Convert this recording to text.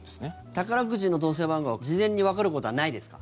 宝くじの当選番号は事前にわかることはないですか？